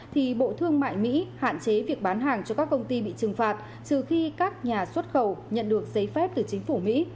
thì bộ thương mại mỹ hạn chế việc bán hàng cho các công ty bị trừng phạt trừ khi các nhà xuất khẩu nhận được giấy phép từ chính phủ mỹ